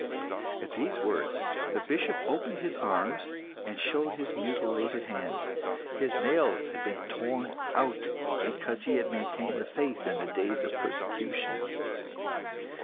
At these words the Bishop opened his arms, and showed his mutilated hands. His nails had been torn out because he had maintained the faith in the days of persecution.